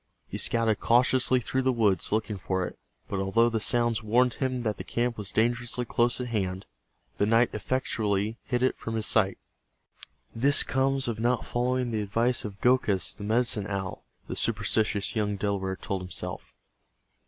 He scouted cautiously through the woods looking for it, but although the sounds warned him that the camp was dangerously close at hand the night effectually hid it from his sight. "This comes of not following the advice of Gokhus, the Medicine Owl," the superstitious young Delaware told himself.